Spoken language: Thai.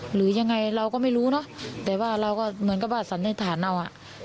หรือยังไงเราก็ไม่รู้เนาะแต่ว่าเราก็เหมือนกระบาดสรรในฐานเอา